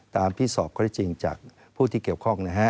ที่สอบข้อได้จริงจากผู้ที่เกี่ยวข้องนะฮะ